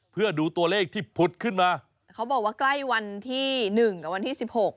เพื่อดูตัวเลขที่ผุดขึ้นมาเขาบอกว่าใกล้วันที่หนึ่งกับวันที่สิบหก